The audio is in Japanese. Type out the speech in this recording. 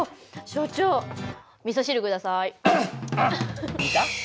所長みそ汁ください。いいか？